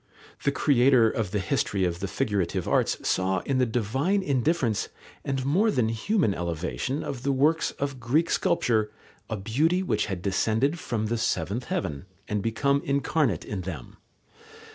The creator of the history of the figurative arts saw in the divine indifference and more than human elevation of the works of Greek sculpture a beauty which had descended from the seventh heaven and become incarnate in them.